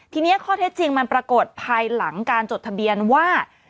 ทีนี้ข้อเท็จจริงมันปรากฏภายหลังการจดทะเบียนว่า